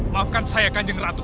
maafkan saya kanjeng ratu